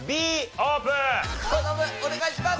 お願いします！